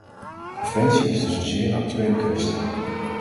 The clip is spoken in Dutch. Preventie is dus een zeer actuele kwestie.